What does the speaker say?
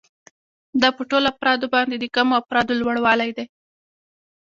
دا په ټولو افرادو باندې د کمو افرادو لوړوالی دی